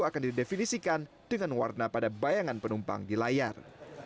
akan didefinisikan dengan warna pada bayangan penumpang di layar